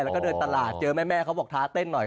แล้วก็เดินตลาดเจอแม่เขาบอกท้าเต้นหน่อย